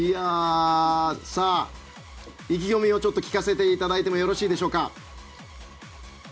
さあ、意気込みをちょっと聞かせていただいてもよろしいでしょうか。